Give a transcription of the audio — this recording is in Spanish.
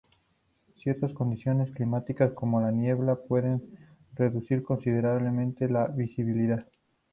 Ciertas condiciones climáticas, como la niebla, pueden reducir considerablemente la visibilidad.